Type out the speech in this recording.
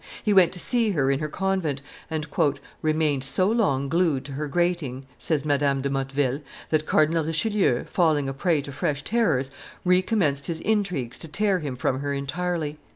He went to see her in her convent, and "remained so long glued to her grating," says Madame de Motteville, that Cardinal Richelieu, falling a prey to fresh terrors, recommenced his intrigues to tear him from her entirely.